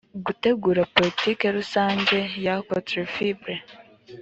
gutegura politiki rusange ya cotrafib